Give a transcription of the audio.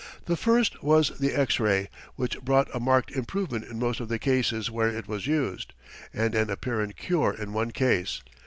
The first was the x ray, which brought a marked improvement in most of the cases where it was used, and an apparent cure in one case.